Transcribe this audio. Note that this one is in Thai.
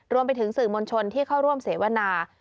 รวมไปถึงสื่อมวลชนที่เข้าร่วมเสวนา